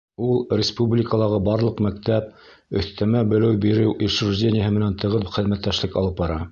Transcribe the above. Ул республикалағы барлыҡ мәктәп, өҫтәмә белем биреү учреждениеһы менән тығыҙ хеҙмәттәшлек алып бара.